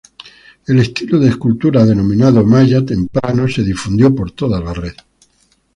El estilo de escultura denominado maya temprano se difundió por toda la red.